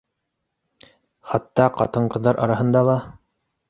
Хатта ҡатын-ҡыҙҙар араһында ла